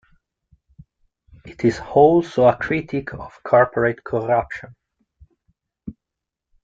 It is also a critique of corporate corruption.